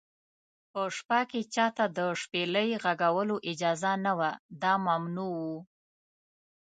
په شپه کې چا ته د شپېلۍ غږولو اجازه نه وه، دا ممنوع و.